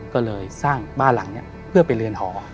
ก็เลยสร้างบ้านหลังนี้เพื่อไปเรียนหอ